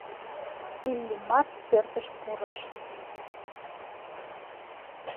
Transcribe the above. Иллимар пӧртыш пурыш.